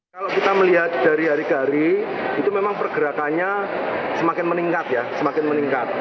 kalau kita melihat dari hari ke hari itu memang pergerakannya semakin meningkat ya semakin meningkat